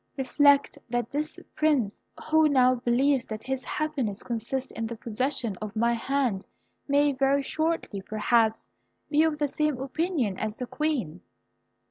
Reflect that this Prince, who now believes that his happiness consists in the possession of my hand may very shortly perhaps be of the same opinion as the Queen."